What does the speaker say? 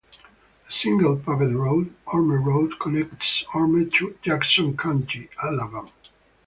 A single paved road, Orme Road, connects Orme to Jackson County, Alabama.